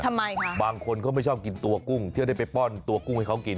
ทำไมคะบางคนเขาไม่ชอบกินตัวกุ้งเที่ยวได้ไปป้อนตัวกุ้งให้เขากิน